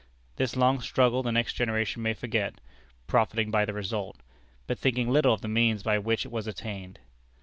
This long struggle the new generation may forget, profiting by the result, but thinking little of the means by which it was attained.